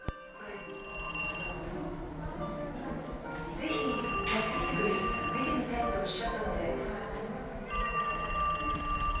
是非持ってきてくれ見てみたいとおっしゃったので。